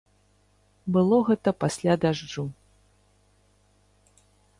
Было гэта пасля дажджу.